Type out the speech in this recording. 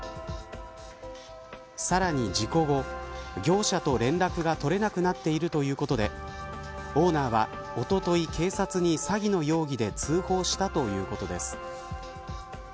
さらに事故後業者と連絡が取れなくなっているということでオーナーはおととい警察に詐欺の容疑で通報したということです。